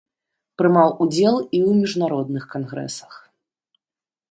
Прымаў удзел і ў міжнародных кангрэсах.